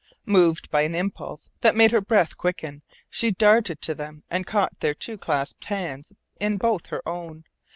Moved by an impulse that made her breath quicken, she darted to them and caught their two clasped hands in both her own.